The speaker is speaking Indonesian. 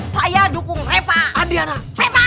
saya dukung repa